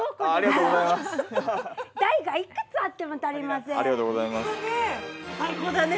大がいくつあっても足りません。